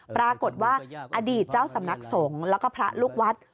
ปรากฏว่าอดีตเจ้าสำนักสงฆ์แล้วก็พระลูกวัด